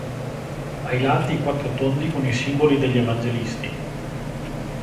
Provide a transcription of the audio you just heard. Ai lati i quattro tondi con i simboli degli evangelisti.